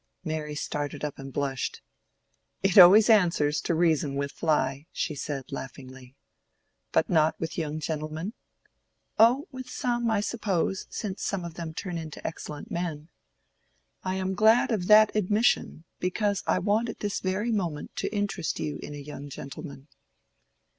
Mary started up and blushed. "It always answers to reason with Fly," she said, laughingly. "But not with young gentlemen?" "Oh, with some, I suppose; since some of them turn into excellent men." "I am glad of that admission, because I want at this very moment to interest you in a young gentleman."